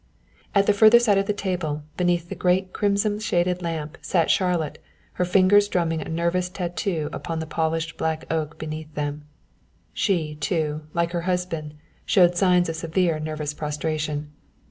At the further side of the table beneath the great crimson shaded lamp sat Charlotte, her fingers drumming a nervous tattoo upon the polished black oak beneath them. She, too, like her husband showed signs of severe nervous prostration.